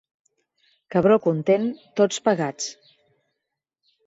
Cabró content, tots pagats.